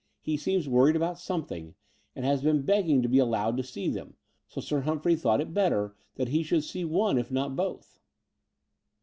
He seems worried about something, and has been begging to be allowed to see them : so Sir Humphrey thought it better that he shotdd see one, if not both."